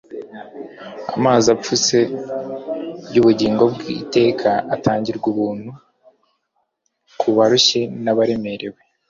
Amazi afutse y'ubugingo bw'iteka atangirwa ubuntu ku barushye n'abaremerewe.